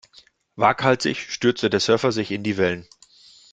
Waghalsig stürzte der Surfer sich in die Wellen.